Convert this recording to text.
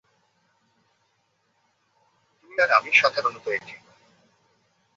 তুই আর আমি সাধারণত একই।